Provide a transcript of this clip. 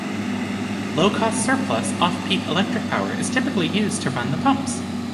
Low-cost surplus off-peak electric power is typically used to run the pumps.